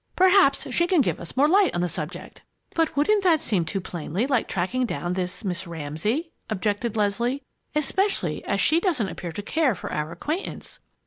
Perhaps she can give us more light on the subject." "But wouldn't that seem too plainly like tracking down this Miss Ramsay?" objected Leslie, "especially as she doesn't appear to care for our acquaintance!"